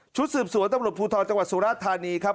ชุดสืบสวทบุตรภูทรจังหวัดสุราชธานีครับ